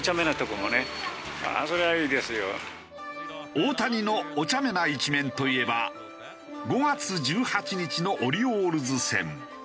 大谷のお茶目な一面といえば５月１８日のオリオールズ戦。